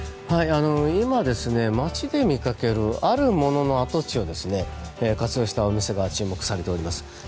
今、街で見かけるあるものの跡地を活用したお店が注目されています。